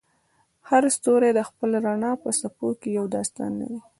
هر ستوری د خپل رڼا په څپو کې یو داستان لري.